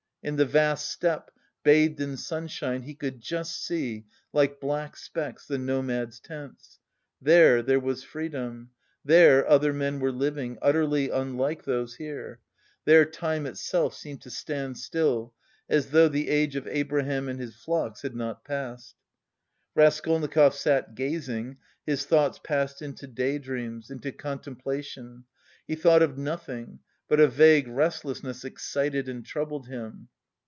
In the vast steppe, bathed in sunshine, he could just see, like black specks, the nomads' tents. There there was freedom, there other men were living, utterly unlike those here; there time itself seemed to stand still, as though the age of Abraham and his flocks had not passed. Raskolnikov sat gazing, his thoughts passed into day dreams, into contemplation; he thought of nothing, but a vague restlessness excited and troubled him.